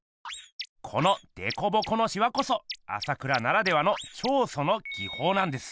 このでこぼこのしわこそ朝倉ならではの「彫塑」の技法なんです。